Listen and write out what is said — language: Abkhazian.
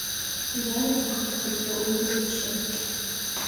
Хьудар игәы хыҭхыҭуа уи дазыԥшын…